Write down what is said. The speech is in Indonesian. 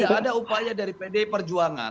tidak ada upaya dari pdi perjuangan